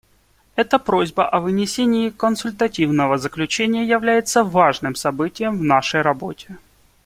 Эта просьба о вынесении консультативного заключения является важным событием в нашей работе.